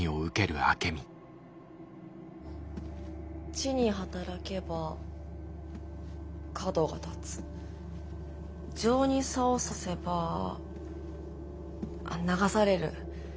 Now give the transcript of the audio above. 智に働けば角が立つ情に棹させばあっ流される。